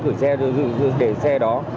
gửi xe để xe đó